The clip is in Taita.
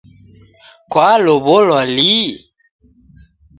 Kwalow'olwa lihi?